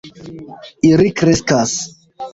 Ili kreskas